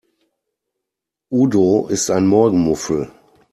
Udo ist ein Morgenmuffel.